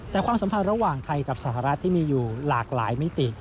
แต่ความสัมพันธ์ระหว่างไทยกับสหรัฐที่มีอยู่หลากหลายมิติ